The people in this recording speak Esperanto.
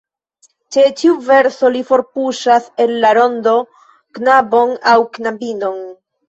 Ĉe ĉiu verso li forpuŝas el la rondo knabon aŭ knabinon.